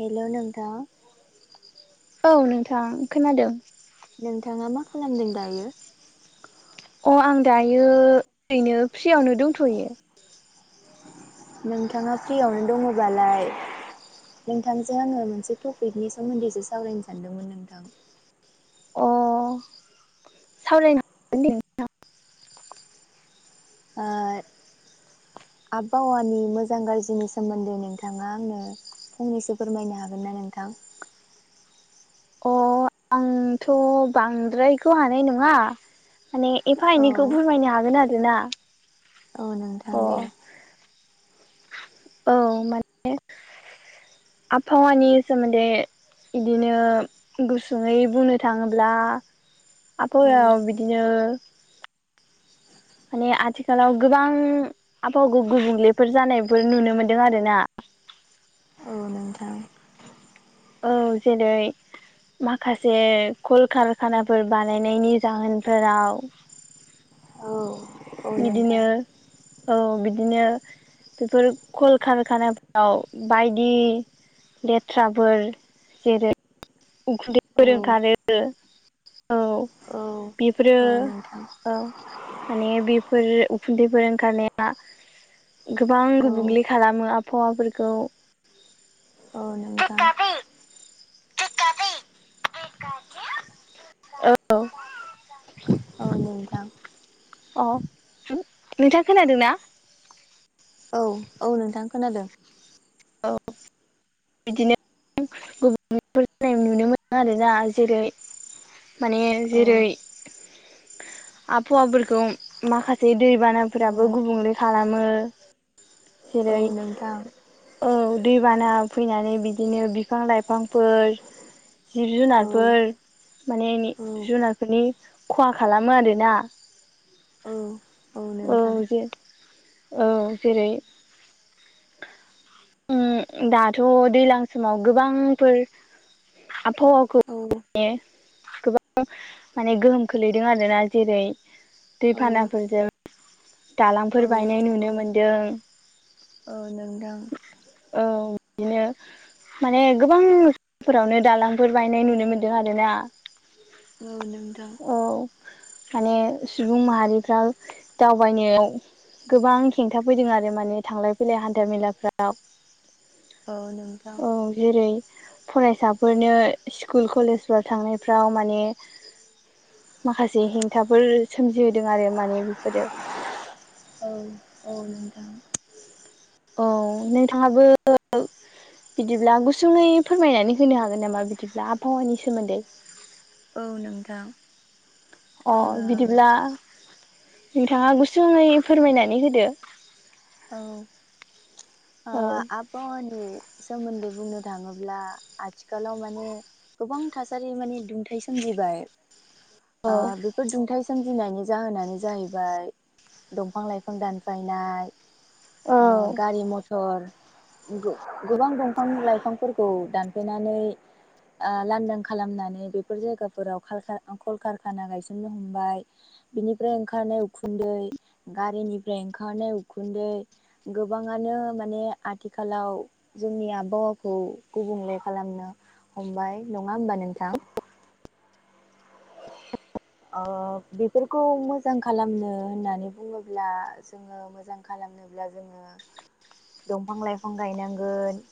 hello नोंथां औ नोंथां खोनादों नोंथाङा मा खालामदों दायो अ आं दायो ओरैनो फ्रियावनो दंथ'यो नोंथाङा फ्रियावनो दङबालाय नोंथांजों आङो मोनसे टपिकनि सोमोन्दैसो सावरायनो सानदोंमोन नोंथां अ सावराय [unintelligible] आ आबहावानि मोजां गाज्रिनि सोमोन्दै नोंथाङा आंनो फंनैसो फोरमायनो हागोन ना नोंथां अ आंथ' बांद्रायखौ हानाय नङा माने एफा औ एनैखौ फोरमायनो हागोन आरो ना औ नोंथां दे औ माने आबहावानि सोमोन्दै बिदिनो गुसुङै बुंनो थाङोब्ला औ आबहायाव बिदिनो माने आथिखालाव गोबां आबहावाखौ गुबुंलेफोर जानायफोर नुनो मोन्दों आरो ना औ नोंथां औ जेरै माखासे कल कारखानाफोर बानायनायनि जाहोनफोराव औ औ बिदिनो नोंथां औ बिदिनो बेफोर कल कारखानाफ्राव बायदि लेथ्राफोर जेरै उखुन्दै औ फोर ओखारो औ औ बेफोरो औ नोंथां औ माने बेफोर उखुन्दैफोर ओंखारनाया गोबां औ गुबुंले खालामो आबहावाफोरखौ औ नोंथां [inaudible] औ औ नोंथां अ नोंथाङा खोनादों ना औ औ नोंथां खोनादों औ बिदिनो गुबुंलेफोर जानाय नुनो मोनो आरोना जेरै माने औ जेरै आबहावाफोरखौ माखासे औ दैबानाफोराबो गुबुंले खालामो औ जेरै नोंथां औ दैबाना फैनानै बिदिनो बिफां लाइफांफोर जिब औ जुनारफोर माने औ जिब जुनारफोरनि खहा खालामो आरोना औ औ जे औ जेरै दाथ' दैलां समाव गोबांफोर आबहावाखौ औ गोबां माने गोहोम खोलैदों आरोना जेरै औ दैबानाफोरजों औ दालांफोर बायनाय औ नुनो मोनदों औ नोंथां औ बिदिनो माने गोबांफोरावनो दालांफोर बायनाय नुनो मोनदों आरो ना औ नोंथां औ माने सुबुं माहारिफ्रा दावबायनायाव गोबां हेंथा फैदों आरो माने थांलाय फैलाय हान्था मेलाफ्राव औ नोंथां औ जेरै फरायसाफोरनो स्कुल कलेजफोर थांनायफ्राव माने माखासे हेंथाफोर सोमजिहोदों आरो माने बेफोरो औ औ नोंथां औ नोंथाङाबो बिदिब्ला गुसुङै फोरमायनानै होनो हागोन नामा बिदिब्ला आबहावानि सोमोन्दै औ नोंथां अ बुंनो हागोन बिदिब्ला नोंथाङा गुसुङै फोरमायनानै होदो औ ओ औ आ बावानि सोमोन्दै बुंनो थाङोब्ला आथिखालाव माने गोबां थासारि माने दुंथाय सोमजिबाय औ आ बेफोर दुंथाइ सोमजिनायनि जाहोनानो जाहैबाय दंफां लाइफां दानफायनाय औ गारि मथर औ आरो गो गोबां दंफां लाइफांफोरखौ दानफायनानै ओ लांदां खालामनानै बेफोर जायगाफोराव कलकारखाना गायसननो हमबाय बिनिफ्राय ओंखारनाय उखुन्दै गारिनिफ्राय ओंखारनाय उखुन्दै गोबाङानो माने आथिखालाव जोंनि आबहावाखौ गुबुंले खालामनो हमबाय नङा होमबा नोंथां अ बेफोरखौ मोजां खालामनो होननानै बुङोब्ला जोङो मोजां खालामनोब्ला जोङो दंफां लाइफां गायनांगोन